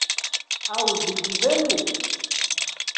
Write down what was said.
Aŭ vi divenis?